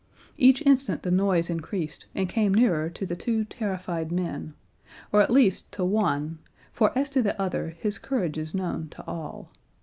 Each instant the noise increased and came nearer to the two terrified men, or at least to one, for as to the other, his courage is known to all.